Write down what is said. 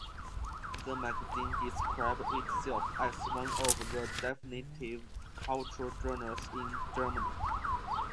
The magazine describes itself as one of the definitive cultural journals in Germany.